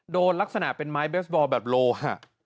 ลักษณะเป็นไม้เบสบอลแบบโลหะ